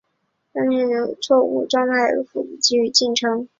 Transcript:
当前进程中的错误状态可能被复制给子进程。